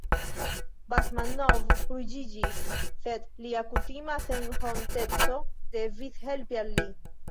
Basmanov ruĝiĝis, sed lia kutima senhonteco devis helpi al li.